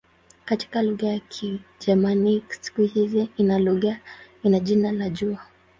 Katika lugha za Kigermanik siku hii ina jina la "jua".